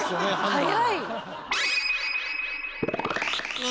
はい。